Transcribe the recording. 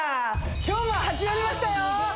今日も始まりましたよ